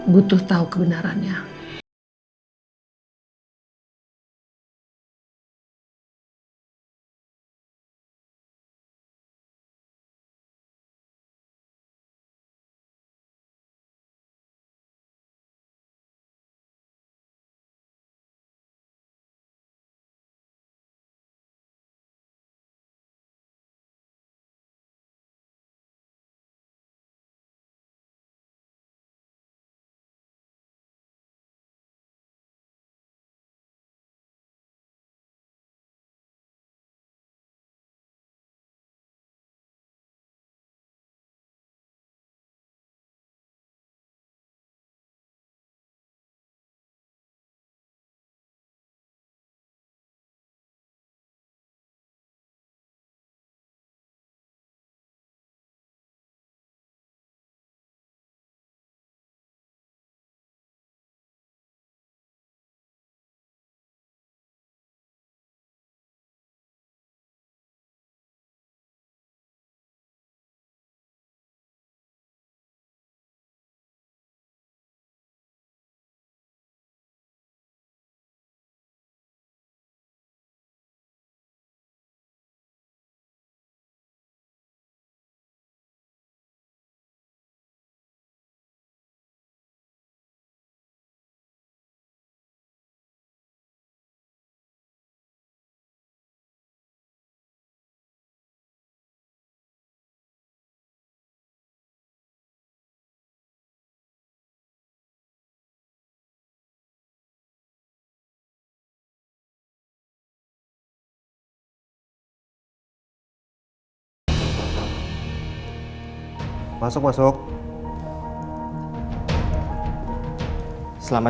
butuh tahu kebenarannya